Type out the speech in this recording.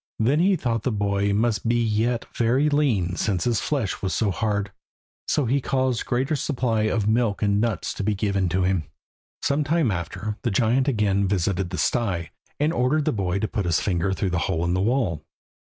Then he thought the boy must be yet very lean since his flesh was so hard, so he caused a greater supply of milk and nuts to be given to him. Some time after, the giant again visited the sty, and ordered the boy to put his finger through the hole in the wall.